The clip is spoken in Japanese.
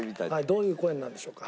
どういう声になるんでしょうか。